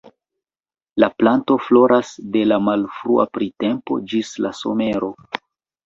La planto floras de la malfrua printempo ĝis la somero.